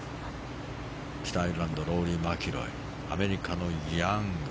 北アイルランドローリー・マキロイアメリカのヤング